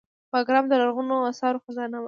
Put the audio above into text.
بګرام د لرغونو اثارو خزانه وه